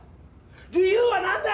理由は何だ！